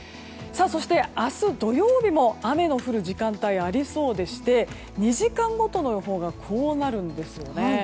そして明日土曜日も雨の降る時間帯ありそうでして２時間ごとの予報がこうなるんですね。